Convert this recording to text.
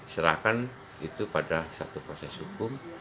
serahkan itu pada satu proses hukum